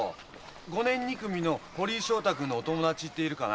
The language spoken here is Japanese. ５年２組の堀井翔太君のお友達っているかな？